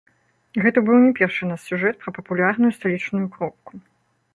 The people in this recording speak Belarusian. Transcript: Гэта быў не першы наш сюжэт пра папулярную сталічную кропку.